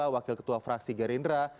wakil ketua fraksi gerindra